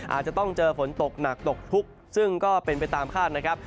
อาจจะต้องเจอฝนตกหนักตกทุกข์ซึ่งก็เป็นไปตามคาดนะครับ